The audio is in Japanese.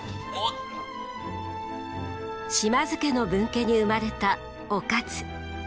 島津家の分家に生まれた於一。